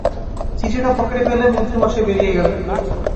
চিঠিটা পকেটে ফেলে মন্ত্রীমশাই বেরিয়ে গেলেন।